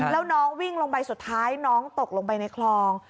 แล้วน้องวิ่งลงไปสุดท้ายน้องตกลงไปในคลอง